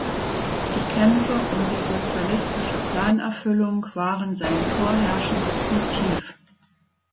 Die Kämpfe um die sozialistische Planerfüllung waren sein vorherrschendes Motiv.